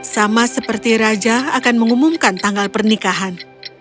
sama seperti raja akan mengumumkan tanggal pernikahan